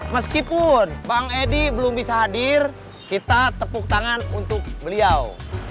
meskipun bang edi belum bisa hadir kita tepuk tangan untuk beliau